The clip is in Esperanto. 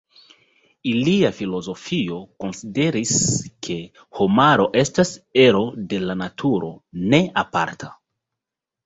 Ilia filozofio konsideris, ke homaro estas ero de la naturo, ne aparta.